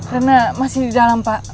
karena masih di dalam pak